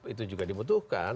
itu juga dibutuhkan